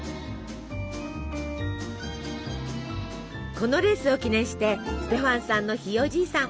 このレースを記念してステファンさんのひいおじいさん